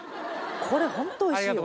これホントおいしい。